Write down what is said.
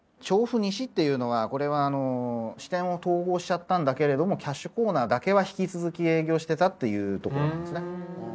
「調布西」っていうのはこれは支店を統合しちゃったんだけれどもキャッシュコーナーだけは引き続き営業してたっていう所なんですね。